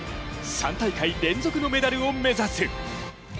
３大会連続のメダルを目指す。